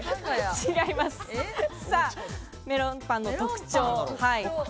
メロンパンの特徴。